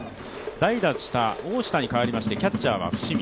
代打した大下に代わりまして、キャッチャーは伏見。